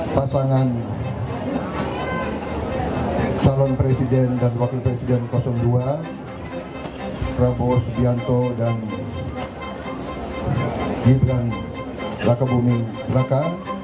pasangan calon presiden dan wakil presiden dua prabowo subianto dan gibran raka buming raka